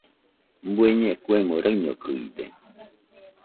Bueñe kuemo raiñokɨide